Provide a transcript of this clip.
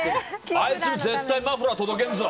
あいつに絶対マフラー届けんぞ！